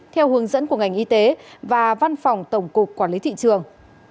theo hướng dẫn của ngành y tế và văn phòng tổng cục quản lý thị trường